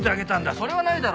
それはないだろ。